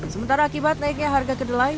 sementara akibat naiknya harga kedelai